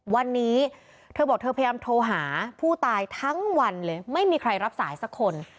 วันนี้เธอบอกเธอพยายามโทรหาผู้ตายทั้งวันเลยไม่มีใครรับสายสักคน